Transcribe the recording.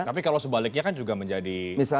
tapi kalau sebaliknya kan juga menjadi